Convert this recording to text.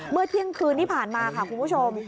เมื่อเที่ยงคืนนี้ผ่านมาค่ะคุณผู้ชม